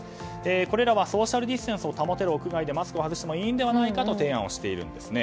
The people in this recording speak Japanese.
これらはソーシャルディスタンスを保てる屋外でならマスクを外してもいいのではないかと提案をしているんですね。